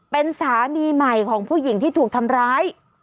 เป็นสามีใหม่ของผู้หญิงที่ถูกทำร้าย